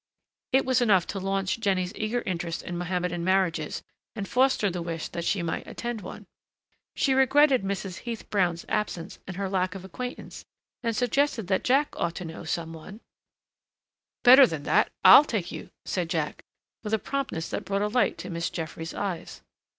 It was enough to launch Jinny's eager interest in Mohammedan marriages and foster the wish that she might attend one. She regretted Mrs. Heath Brown's absence and her lack of acquaintance, and suggested that Jack ought to know some one "Better than that, I'll take you," said Jack with a promptness that brought a light to Miss Jeffries' eyes.